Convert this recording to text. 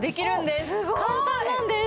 すごい！簡単なんです！